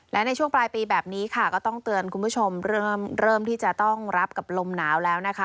และในช่วงปลายปีแบบนี้ค่ะก็ต้องเตือนคุณผู้ชมเริ่มที่จะต้องรับกับลมหนาวแล้วนะคะ